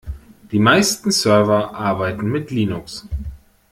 Die meisten Server arbeiten mit Linux.